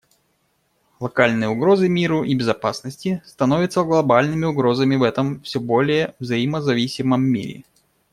Локальные угрозы миру и безопасности становятся глобальными угрозами в этом все более взаимозависимом мире.